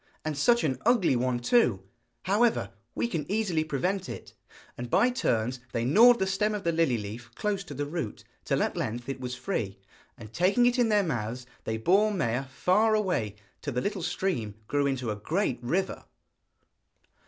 'And such an ugly one too! However, we can easily prevent it.' And by turns they gnawed the stem of the lily leaf close to the root, till at length it was free, and taking it in their mouths they bore Maia far away, till the little stream grew into a great river.